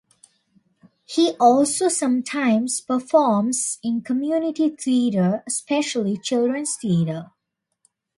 He also sometimes performs in community theater, especially children's theater.